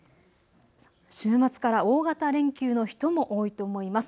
週末から大型連休の人も多いと思います。